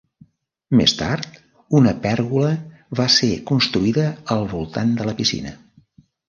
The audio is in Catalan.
Més tard, una pèrgola va ser construïda al voltant de la piscina.